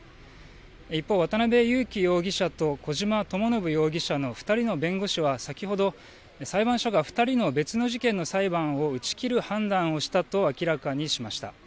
一方、渡邉優樹容疑者と小島智信容疑者の２人の弁護士は先ほど裁判所が２人の別の事件の裁判を打ち切る判断をしたと明らかにしました。